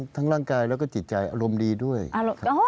ทั้งร่างกายและก็จิตใจอารมณ์ดีด้วยครับ